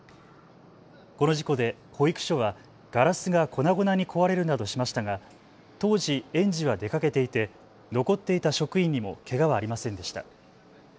この事故で保育所はガラスが粉々に壊れるなどしましたが当時、園児は出かけていて残っていた職員にもけがはありませんでした。